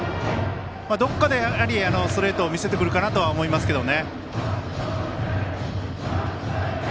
どこかでストレートを見せてくるかなとは思いますけど。